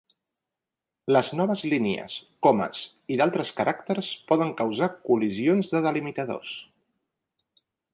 Les noves línies, comes i d'altres caràcters poden causar col·lisions de delimitadors.